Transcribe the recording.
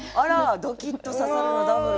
「ドキッ」と「刺さる」のダブル。